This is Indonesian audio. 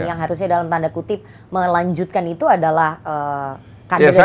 yang harusnya dalam tanda kutip melanjutkan itu adalah kandungan dari partainya